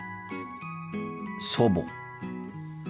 祖母。